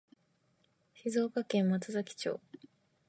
静岡県松崎町